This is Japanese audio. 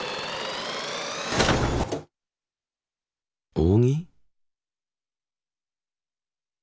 扇？